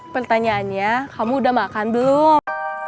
pertanyaannya kamu udah makan belum